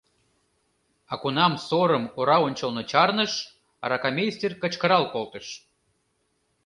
А кунам сорым ора ончылно чарныш, аракамейстер кычкырал колтыш: